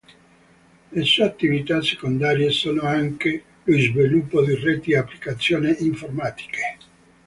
Le sue attività secondarie sono anche lo sviluppo di reti e applicazioni informatiche.